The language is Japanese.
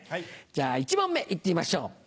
じゃ１問目行ってみましょう。